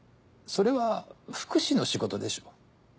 それは福祉の仕事でしょう。